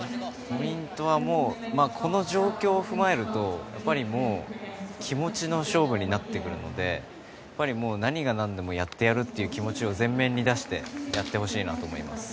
ポイントはこの状況を踏まえるともう気持ちの勝負になってくるので何が何でもやってやるという気持ちを前面に出してやってほしいなと思います。